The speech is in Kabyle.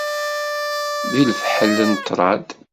D lefḥel n ṭṭrad.